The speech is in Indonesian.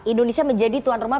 indonesia menjadi tuan rumah